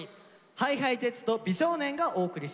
ＨｉＨｉＪｅｔｓと美少年がお送りします。